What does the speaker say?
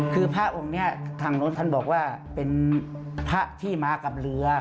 คือพระองค์นี้ทางโน้นท่านบอกว่าเป็นพระที่มากับเรือ